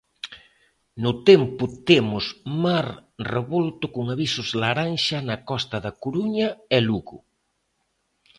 No tempo temos mar revolto con avisos laranxa na costa da Coruña e Lugo.